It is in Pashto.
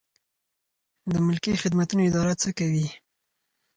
د ملکي خدمتونو اداره څه کوي؟